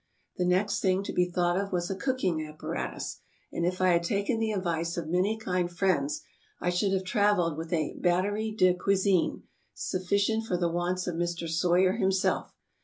The next thing to be thought of was a cooking apparatus, and if I had taken the advice of many kind friends I should have traveled with a batterie de cuisine sufficient for the wants of Mr. Soyer himself.